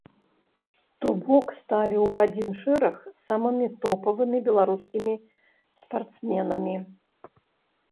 То бок сталі ў адзін шэраг з самымі топавымі беларускімі спартсменамі.